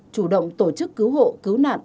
chủ động tổ chức cứu hộ cứu nạn